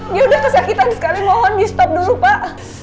dia udah kesakitan sekali mohon di stop dulu pak